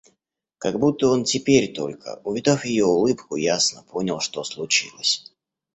Как будто он теперь только, увидав ее улыбку, ясно понял, что случилось.